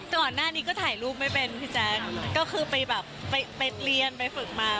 ก่อนหน้านี้ก็ถ่ายรูปไม่เป็นพี่แจ๊คก็คือไปแบบไปเรียนไปฝึกมา